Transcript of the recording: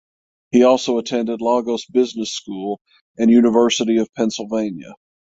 He also attended Lagos Business School and University of Pennsylvania.